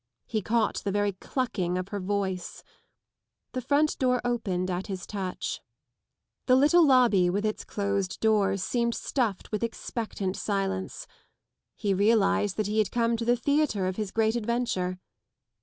He caught the very clucking of her voice ... The front door opened at his touch. The little lobby with its closed doors seemed stuffed with expectant silence. He realised that he had come to the theatre of his great adventure.